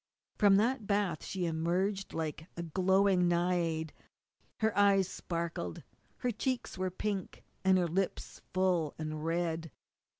From that bath she emerged like a glowing Naiad. Her eyes sparkled. Her cheeks were pink and her lips full and red.